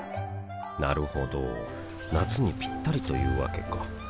なるほど夏にピッタリというわけか